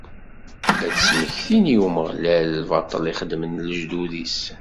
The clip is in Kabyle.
Ad d-smektin i Umeɣlal lbaṭel i xedmen lejdud-is.